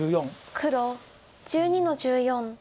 黒１２の十四。